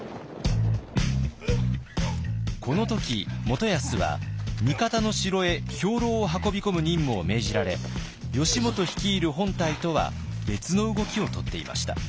この時元康は味方の城へ兵糧を運び込む任務を命じられ義元率いる本隊とは別の動きをとっていました。